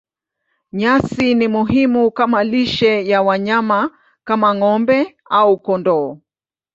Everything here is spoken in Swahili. Nyasi ni muhimu kama lishe ya wanyama kama ng'ombe au kondoo.